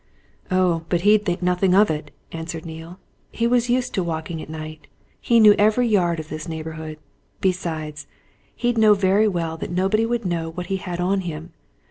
"Oh, but he'd think nothing of it!" answered Neale. "He was used to walking at night he knew every yard of this neighbourhood. Besides, he'd know very well that nobody would know what he had on him.